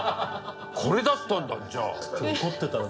これだったんだじゃあ。